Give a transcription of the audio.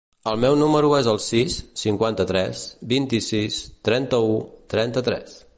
El meu número es el sis, cinquanta-tres, vint-i-sis, trenta-u, trenta-tres.